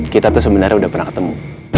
kita tuh sebenarnya udah pernah ketemu